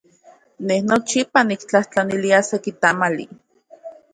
Ne nochipa niktlajtlanilia seki tamali.